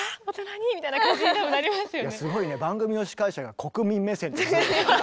すごいね番組の司会者が国民目線という。